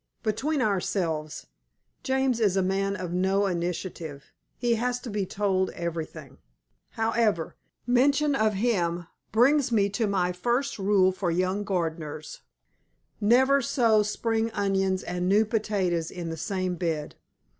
Between ourselves, James is a man of no initiative. He has to be told everything. However mention of him brings me to my first rule for young gardeners "_Never sow Spring Onions and New Potatoes in the same bed.